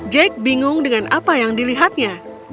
jake bingung dengan apa yang dilihatnya